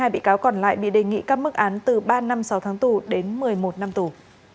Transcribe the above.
hai mươi bị cáo còn lại bị đề nghị các mức án từ ba năm sáu tháng tù đến một mươi một năm tù